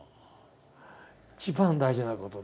一番大事なことで。